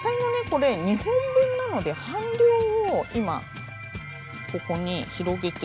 これ２本分なので半量を今ここに広げていきます。